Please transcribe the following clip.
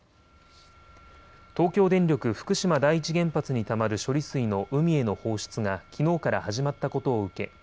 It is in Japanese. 東京電力福島第一原発にたまる処理水の海への放出がきのうから始まったことを受け